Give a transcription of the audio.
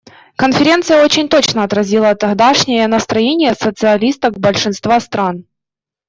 Конференция очень точно отразила тогдашнее настроение социалисток большинства стран.